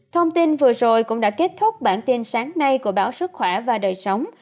thông tin vừa rồi cũng đã kết thúc bản tin sáng nay của báo sức khỏe và đời sống